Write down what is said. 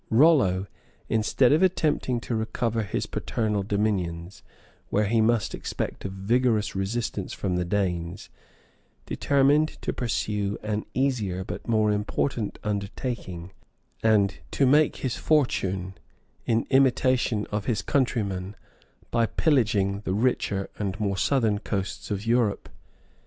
Rollo, instead of attempting to recover his paternal dominions, where he must expect a vigorous resistance from the Danes, determined to pursue an easier but more important undertaking, and to make rus fortune, in imitation of his countrymen, by pillaging the richer and more southern coasts of Europe.